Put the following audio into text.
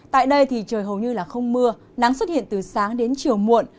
tại đây trời hầu như không mưa nắng xuất hiện từ sáng đến chiều muộn